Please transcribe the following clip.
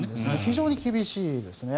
非常に厳しいですね。